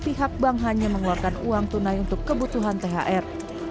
pihak bank hanya mengeluarkan uang tunai untuk kebutuhan thr